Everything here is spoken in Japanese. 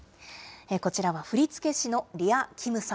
こちらは振り付け師のリア・キムさん